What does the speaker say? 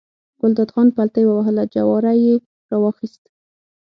ګلداد خان پلتۍ ووهله، جواری یې راواخیست.